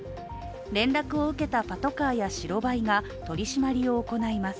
連絡を受けたパトカーや白バイが取り締まりを行います。